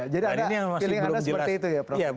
jadi ada pilihan seperti itu ya pak